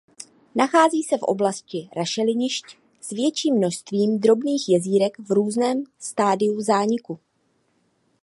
Nachází se v oblasti rašelinišť s větším množstvím drobných jezírek v různém stádiu zániku.